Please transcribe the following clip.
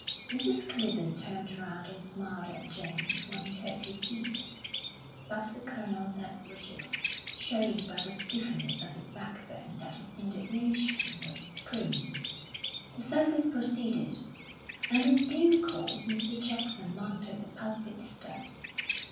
Mrs Clibborn turned round and smiled at James when he took his seat, but the Colonel sat rigid, showing by the stiffness of his backbone that his indignation was supreme. The service proceeded, and in due course Mr. Jackson mounted the pulpit steps.